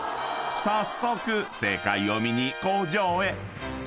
［早速正解を見に工場へ］